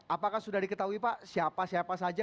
apakah sudah diketahui pak siapa siapa saja